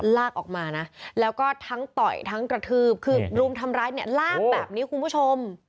ลากออกมานะแล้วก็ทั้งต่อยทั้งกระทืบคือรุมทำร้ายเนี่ยลากแบบนี้คุณผู้ชม